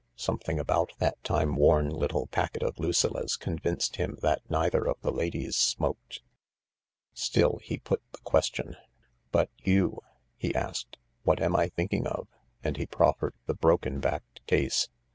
Something about that timeworn little packet of Lucilla 's convinced him that neither of the ladies smoked. Still, he put the question. " But you ?" he asked. " What am I thinking of ?" and he proffered the broken backed case.